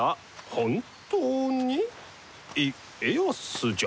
本当に家康じゃ。